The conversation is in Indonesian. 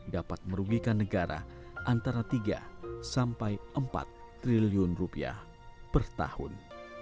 dapat merugikan negara antara tiga sampai empat triliun rupiah per tahun